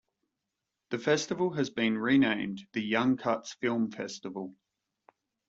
The festival has been renamed the "YoungCuts Film Festival".